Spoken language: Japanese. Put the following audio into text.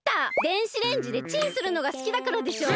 電子レンジでチンするのがすきだからでしょ？